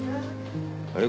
あれ？